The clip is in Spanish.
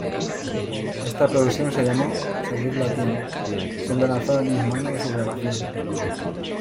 Esta producción se llamó ""Seguir latiendo"", siendo lanzada el mismo año de su grabación.